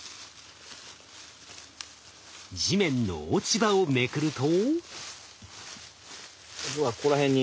地面の落ち葉をめくると。